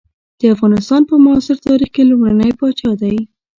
د افغانستان په معاصر تاریخ کې لومړنی پاچا دی.